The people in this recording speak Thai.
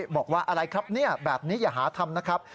บอกว่าอะไรครับเนี่ยแบบนี้อย่าหาทำนะครับ